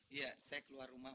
iya saya keluar rumah